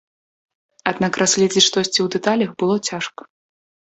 Аднак разглядзець штосьці ў дэталях было цяжка.